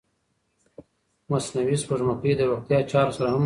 مصنوعي سپوږمکۍ د روغتیا چارو سره هم مرسته کوي.